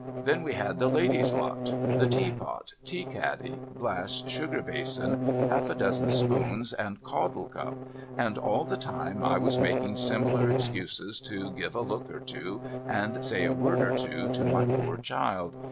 Then we had the ladies' lot, — the teapot, tea caddy, glass sugar basin, half a dozen si)oons, and caudle cup — and all the time I was making similar excuses to give a look or two and say a word or two to my poor child.